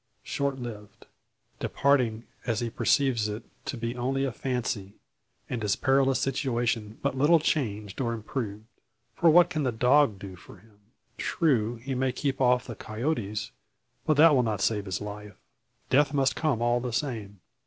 short lived; departing as he perceives it to be only a fancy, and his perilous situation, but little changed or improved. For what can the dog do for him? True he may keep off the coyotes, but that will not save his life. Death must come all the same.